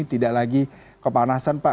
tidak lagi kepanasan pak